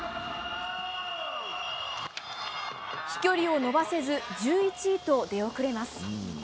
飛距離を伸ばせず１１位と出遅れます。